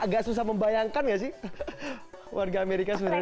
gak susah membayangkan gak sih warga amerika sebenarnya